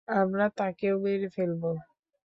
আমরা তাকেও মেরে ফেলব।